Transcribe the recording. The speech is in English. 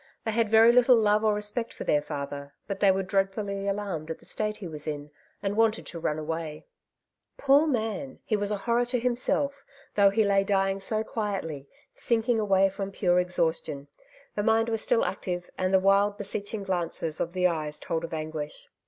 They had very little love or respect for their father, but they were dreadfully alarmed at the state he was in, and wanted to run away* Poor man ! He was a horror to himself \ though he lay dying so quietly, sinking away from pure exhaustion, the mind was still active, and the wild beseeching glances of the eyes told of anguish.